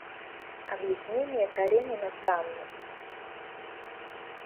Объяснение Каренина с Анной.